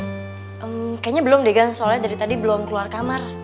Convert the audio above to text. hmm kayaknya belum deh kan soalnya dari tadi belum keluar kamar